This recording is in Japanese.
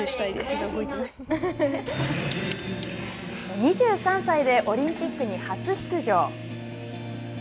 ２３歳でオリンピックに初出場。